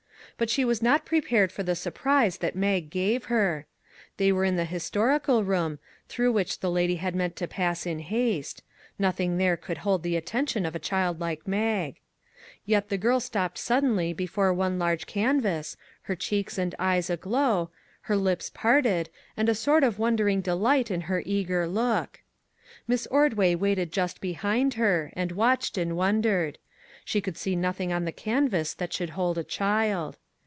But she was not prepared for the surprise that Mag gave her. They were in the historical room, through which the lady had meant to pass in haste; nothing there could hold the attention of a child like Mag. Yet the 152 SURPRISES girl stopped suddenly before one large canvas, her cheeks and eyes aglow, her lips parted, and a sort of wondering delight in her eager look. Miss Ordway waited just behind her, and watched and wondered. She could see nothing on the canvas that should hold a child.